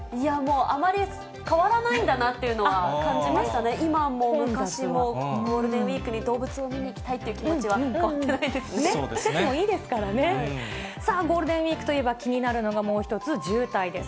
あまり変わらないんだなっていうのは感じましたね、今も昔も、ゴールデンウィークに動物を見に行きたいという気持ちは変わってさあゴールデンウィークといえば、気になるのがもう１つ、渋滞です。